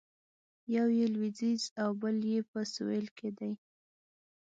یو یې لویدیځ او بل یې په سویل کې دی.